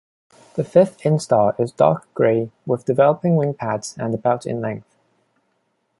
The fifth instar is dark grey, with developing wing pads and about in length.